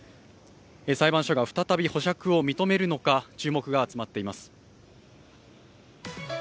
裁判所が再び保釈を認めるのか、注目が集まっています。